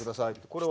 これは？